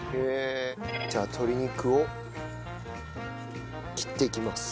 じゃあ鶏肉を切っていきます。